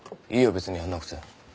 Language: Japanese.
別にやんなくて。